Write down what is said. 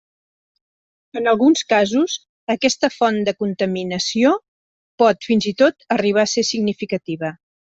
En alguns casos aquesta font de contaminació pot, fins i tot, arribar a ser significativa.